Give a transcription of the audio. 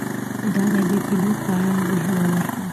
دا ده د پیلوټ په اړه دوهمه برخه: